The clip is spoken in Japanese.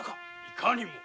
いかにも！